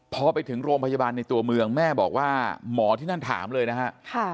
พอไปถึงโรงพยาบาลในตัวเมืองแม่บอกว่าหมอที่นั่นถามเลยนะฮะ